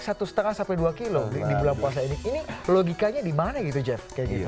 saya aja naik satu lima dua kg di bulan puasa ini ini logikanya di mana gitu jeff